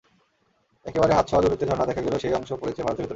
একেবারে হাত ছোঁয়া দূরত্বে ঝরনা দেখা গেলেও সেই অংশ পড়েছে ভারতের ভেতরে।